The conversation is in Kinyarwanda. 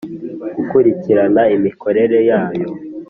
gukurikirana imikorere yayo